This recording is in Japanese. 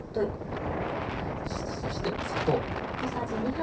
そして砂糖。